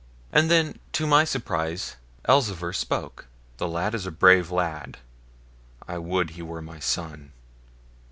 And then, to my surprise, Elzevir spoke: 'The lad is a brave lad; I would he were my son.